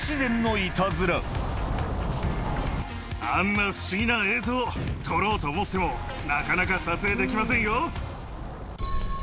あんな不思議な映像、撮ろうと思ってもなかなか撮影できませんよ。